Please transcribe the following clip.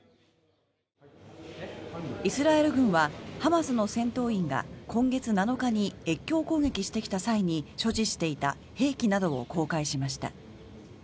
イスラエル軍はハマスの戦闘員が今月７日に越境攻撃してきた際に所持していた兵器などを公開しました。